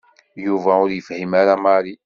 Yuba ur yefhim ara Mary.